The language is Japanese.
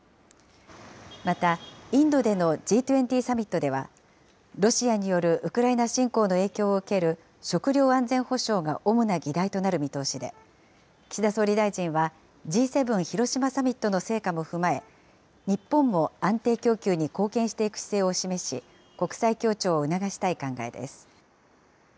また、インドでのＧ２０サミットでは、ロシアによるウクライナ侵攻の影響を受ける食料安全保障が主な議題となる見通しで、岸田総理大臣は、Ｇ７広島サミットの成果も踏まえ、日本も安定供給に貢献していく姿勢を示し、国際協調を促したい考えです。